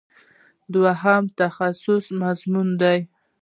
دوهم تخصصي مضامین دي.